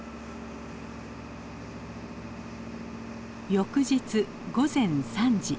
翌日午前３時。